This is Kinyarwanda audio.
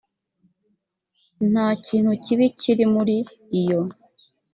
nta kintu kibi kikiri muri iyo